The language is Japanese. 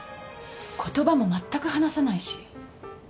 言葉も全く話さないし。